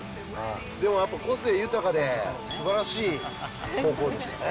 でもやっぱ、個性豊かで、すばらしい高校でしたね。